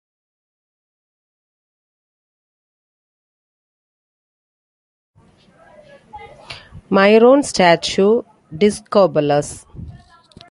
Myron statue, "Discobolus".